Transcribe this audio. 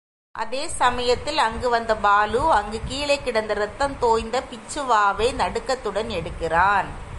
அதே சமயத்தில் அங்கு வந்த பாலு அங்கு கீழே கிடந்த ரத்தம் தோய்ந்த பிச்சு வாவை நடுக்கத்துடன் எடுக்கிறான்.